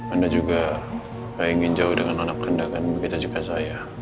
anda juga gak ingin jauh dengan anak anak anda begitu juga saya